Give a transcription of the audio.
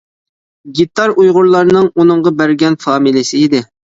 گىتار ئۇيغۇرلارنىڭ ئۇنىڭغا بەرگەن فامىلىسى ئىدى.